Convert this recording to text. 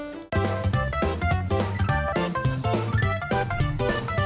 สวัสดีครับ